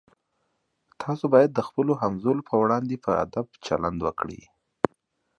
تاسي باید د خپلو همزولو په وړاندې په ادب چلند وکړئ.